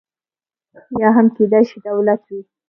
یا هم کېدای شي دولت وي.